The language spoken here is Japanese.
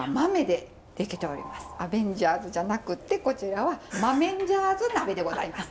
アベンジャーズじゃなくってこちらは「豆ンジャーズ鍋」でございます！